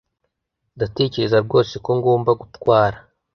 Ndatekereza rwose ko ngomba gutwara